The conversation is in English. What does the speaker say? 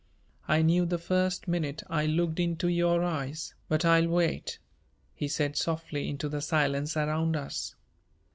"I knew the first minute I looked into your eyes, but I'll wait," he said softly into the silence around us.